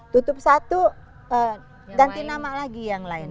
tutup satu dan dinamakan lagi yang lain